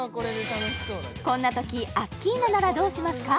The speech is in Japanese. こんなときアッキーナならどうしますか？